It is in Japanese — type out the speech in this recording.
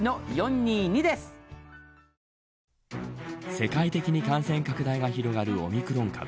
世界的に感染拡大が広がるオミクロン株。